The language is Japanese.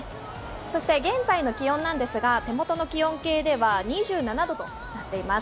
そして現在の気温なんですが、手元の気温計では２７度となっています。